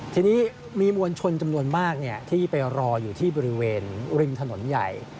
ทีนี้มีมวลชนจำนวนมากที่ไปรออยู่ที่บริเวณริมถนนใหญ่